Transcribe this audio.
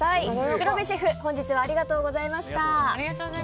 黒部シェフ本日はありがとうございました。